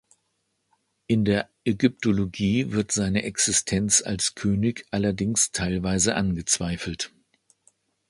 In der Ägyptologie wird seine Existenz als König allerdings teilweise angezweifelt.